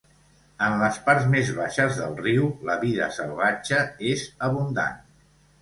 En les parts més baixes del riu, la vida salvatge és abundant.